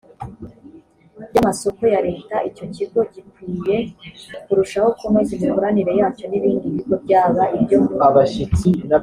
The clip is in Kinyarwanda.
ry amasoko ya leta icyo kigo gikwiye kurushaho kunoza imikoranire yacyo n ibindi bigo byaba ibyo mu